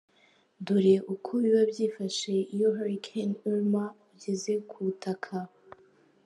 Dore uko biba byifashe iyo Hurricane Irma ugeze ku butaka.